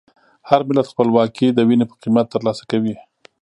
هر ملت خپلواکي د وینې په قیمت ترلاسه کوي.